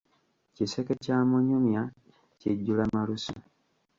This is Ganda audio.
Kiseke kya munyumya, kijjula malusu.